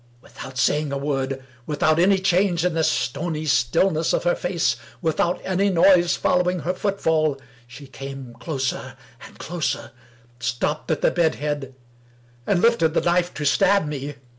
Without saying a word ; without any change in the stony stillness of her face ; without any noise following her footfall, she came closer and closer; stopped at the bed head ; and lifted the knife to stab me.